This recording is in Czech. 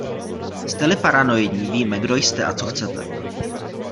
Jste-li paranoidní, víme, kdo jste a co chcete.